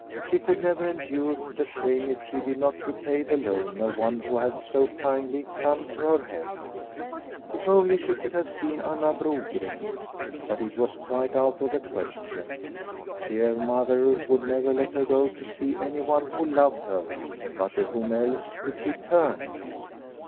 She could never endure the shame if she did not repay the loan of one who had so kindly come to her help. If only she could have seen Anna Brogren ! But it was quite out of the question. Dear Mother would never let her go to see anyone who loved her. But to whom else could she turn